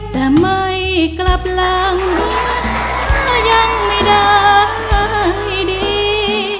จะไม่กลับหลังรถถ้ายังไม่ได้ดี